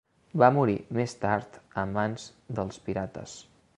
Va morir més tard a mans dels pirates.